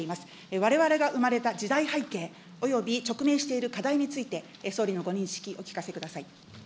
われわれが生まれた時代背景および直面している課題について、総理のご認識、お聞かせください。